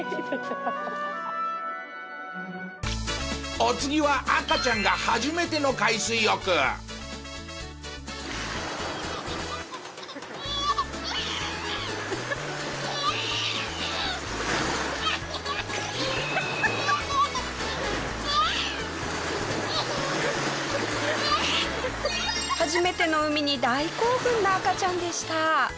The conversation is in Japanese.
お次は赤ちゃんが初めての海に大興奮な赤ちゃんでした。